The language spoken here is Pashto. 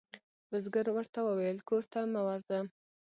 بزګر ورته وویل کور ته مه ورځه.